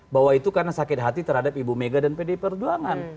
bahwa itu karena sakit hati terhadap ibu mega dan pdi perjuangan